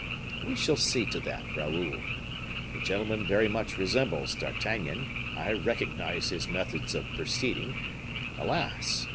"We shall see to that, Raoul. The gentleman very much resembles D'Artagnan; I recognize his methods of proceeding. Alas!